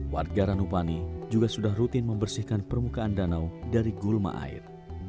warga ranupani juga sudah rutin membersihkan permukaan danau dari gulma air